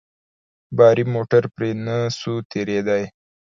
باري موټر پرې نه سو تېرېداى.